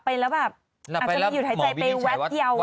เพราะว่าเขาหลับเฉยแหละ